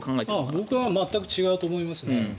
僕は全く違うと思います。